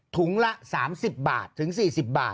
ถุงละ๓๐บาทถึง๔๐บาท